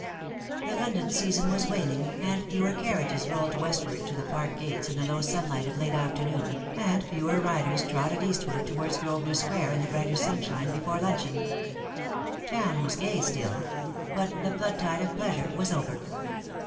THE London season was waning, and fewer carriages rolled westward to the Park gates in the low sunlight of late after noon, and fewer riders trotted eastward towards Grosvenor Square in the brighter sunshine before luncheon. Town was gay still ; but the flood tide of pleasure was over.